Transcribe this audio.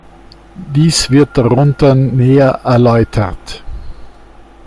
Dies wird darunter näher erläutert.